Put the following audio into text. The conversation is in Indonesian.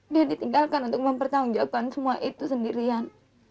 dia ditinggalkan untuk mempertanggungjawabkan semua itu sendirian